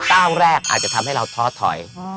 ก้าวแรกอาจจะทำให้เราท้อถอย